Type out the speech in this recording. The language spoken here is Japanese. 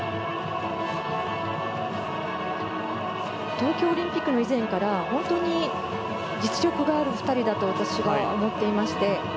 東京オリンピックの以前から本当に実力がある２人だと私は思っていまして。